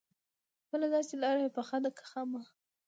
بله دا چې لاره يې پخه ده که خامه؟